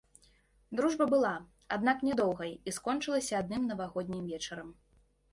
Дружба была, аднак, нядоўгай і скончылася адным навагоднім вечарам.